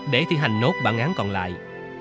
để thi hành nốt bản án còn lại